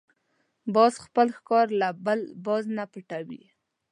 باز خپل ښکار له بل باز نه پټوي